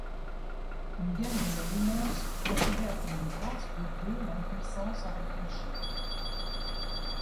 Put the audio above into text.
Miguel de Molinos considère comme une grâce de Dieu l'impuissance à réfléchir.